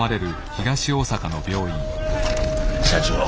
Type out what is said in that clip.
社長